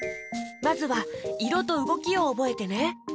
まずはいろとうごきをおぼえてね！